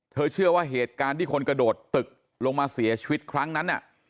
เชื่อว่าเหตุการณ์ที่คนกระโดดตึกลงมาเสียชีวิตครั้งนั้นน่ะ